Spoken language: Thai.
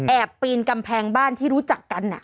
ปีนกำแพงบ้านที่รู้จักกัน